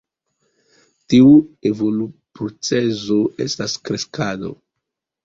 Tiu evoluprocezo estas kreskado.